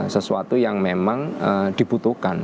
sesuatu yang memang dibutuhkan